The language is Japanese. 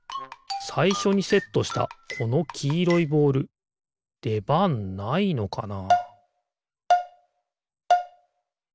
さいしょにセットしたこのきいろいボールでばんないのかな？